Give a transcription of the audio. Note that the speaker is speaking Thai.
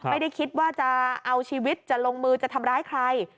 ไม่ได้คิดว่าจะเอาชีวิตจะลงมือจะทำร้ายใคร